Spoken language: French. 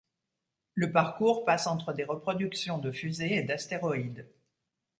Le parcours passe entre des reproductions de fusées et d'astéroïdes.